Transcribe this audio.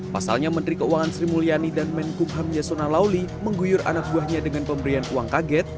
pasalnya menteri keuangan sri mulyani dan menkumham yasona lawli mengguyur anak buahnya dengan pemberian uang kaget